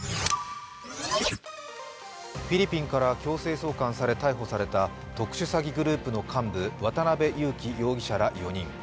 フィリピンから強制送還され逮捕された特殊詐欺グループの幹部渡辺優樹容疑者ら４人。